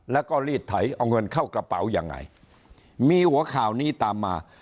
แล้วก็รีดไถเอาเงินเข้ากระเป๋ายังไงมีหัวข่าวนี้ตามมา